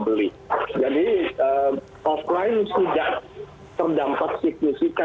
beli jadi offline sudah terdampak sih